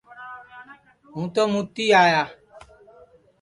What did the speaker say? ہُوں تو مُوتی آیا